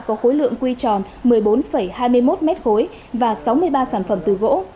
có khối lượng quy tròn một mươi bốn hai mươi một m ba và sáu mươi ba sản phẩm từ gỗ